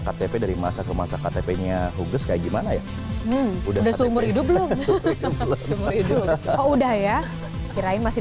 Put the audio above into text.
ktp dari masa ke masa ktp nya huges kayak gimana ya udah seumur hidup belum seumur hidup oh udah ya kirain masih